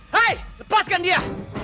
hey lepaskan dia